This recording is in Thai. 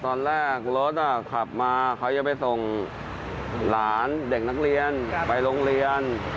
ตอนแรกรถขับมาเขาจะไปส่งหลานเด็กนักเรียนไปโรงเรียน